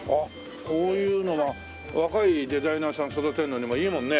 こういうのは若いデザイナーさん育てるのにもいいもんね。